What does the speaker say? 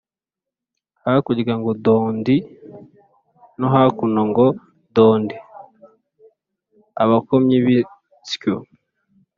Hakurya ngo dondi no hakuno ngo dondi.-Abakomyi b'insyo.